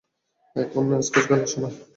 এখন স্কচ গেলার সময়।